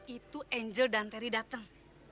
itu angel dan terry datang